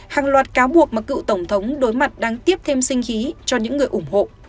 hàng loạt cáo buộc mà cựu tổng thống đối mặt đang tiếp thêm sinh khí cho những người ủng hộ